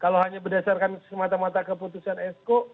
kalau hanya berdasarkan semata mata keputusan esko